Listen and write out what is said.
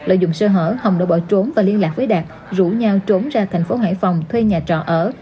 lợi dụng sơ hở hồng đã bỏ trốn và liên lạc với đạt rủ nhau trốn ra thành phố hải phòng thuê nhà trọ ở